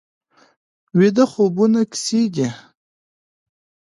ویده خوبونه کیسې دي